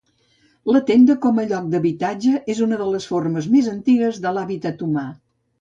La tenda com a lloc d'habitatge és una de les formes més antigues d'hàbitat humà.